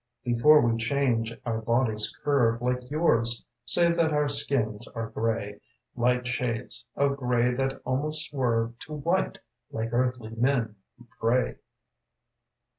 Before we change, our bodies curve Like yours save that our skins are gray: Light shades of gray that almost swerve To white, like earthly men who pray.